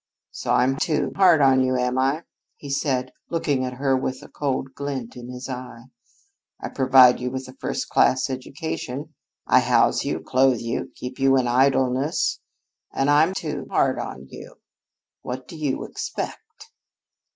"So I'm too hard on you, am I?" he said, looking at her with a cold glint in his eye. "I provide you with a first class education, I house you, clothe you, keep you in idleness, and I'm too hard on you. What do you expect?"